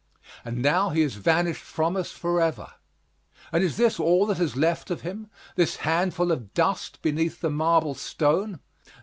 And now he has vanished from us forever. And is this all that is left of him this handful of dust beneath the marble stone?